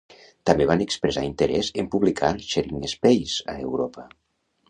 També van expressar interès en publicar "Sharing Space" a Europa.